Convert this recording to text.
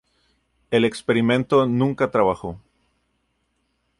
El experimento nunca trabajó.